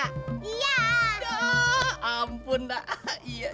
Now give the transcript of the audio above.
aah ampun dah